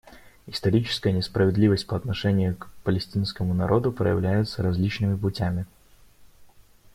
Историческая несправедливость по отношению к палестинскому народу проявляется различными путями.